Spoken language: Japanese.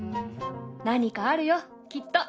何かあるよきっと。